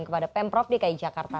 kepada pemprov dki jakarta